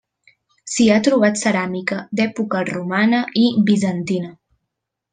S'hi ha trobat ceràmica d'època romana i bizantina.